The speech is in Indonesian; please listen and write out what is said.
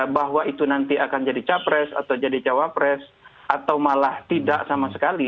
bahwa itu nanti akan jadi capres atau jadi cawapres atau malah tidak sama sekali